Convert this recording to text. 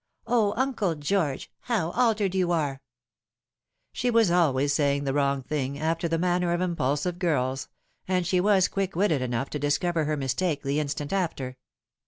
" O, Uncle George, how altered you are 1" She was always saying the wrong thing, after the manner of impulsive girls ; and she was quick witted enough to discover her mistake the instant after.